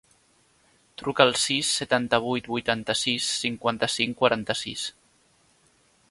Truca al sis, setanta-vuit, vuitanta-sis, cinquanta-cinc, quaranta-sis.